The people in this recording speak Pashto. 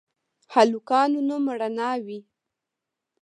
هلکانو نوم رڼا وي